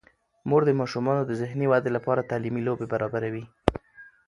مور د ماشومانو د ذهني ودې لپاره تعلیمي لوبې برابروي.